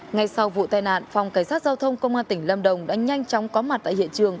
ngay sau vụ tai nạn phòng cảnh sát giao thông công an tỉnh lâm đồng đã nhanh chóng có mặt tại hiện trường